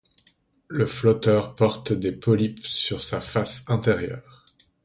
Le flotteur porte des polypes sur sa face intérieure.